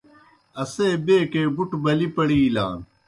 اسے بیکے بُٹہ بلِی پڑِیلان۔